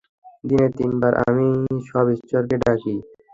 দিনে তিনবার আমি সব ঈশ্বরকে ডাকি।